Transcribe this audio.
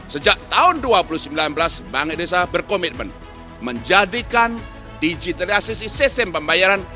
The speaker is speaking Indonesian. sejak tahun dua ribu sembilan belas bank indonesia berkomitmen menjadikan digitalisasi sistem pembayaran